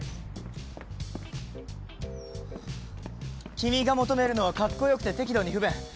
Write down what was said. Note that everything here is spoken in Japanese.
君が求めるのはかっこよくて適度に不便色は原色。